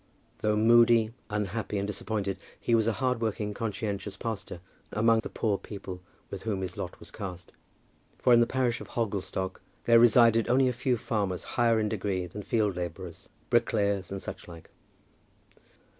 Though moody, unhappy, and disappointed, he was a hard working, conscientious pastor among the poor people with whom his lot was cast; for in the parish of Hogglestock there resided only a few farmers higher in degree than field labourers, brickmakers, and such like.